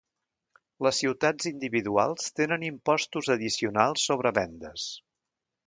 Les ciutats individuals tenen impostos addicionals sobre vendes.